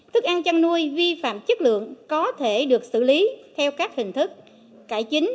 thức ăn chăn nuôi vi phạm chất lượng có thể được xử lý theo các hình thức cải chính